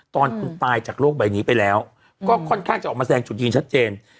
ตอนคุณตายจากโรคใบนี้ไปแล้วก็ค่อนข้างจะออกมาแสดงจุดยืนชัดเจน